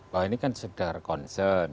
bahwa ini kan sederhana konsen